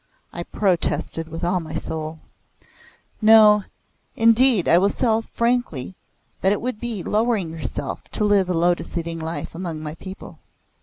I protested with all my soul. "No. Indeed I will say frankly that it would be lowering yourself to live a lotus eating life among my people.